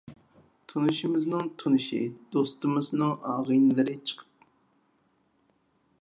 تونۇشىمىزنىڭ تونۇشى، دوستىمىزنىڭ ئاغىنىلىرى چىقىپ،